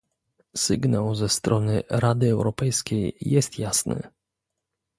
Sygnał ze strony Rady Europejskiej jest jasny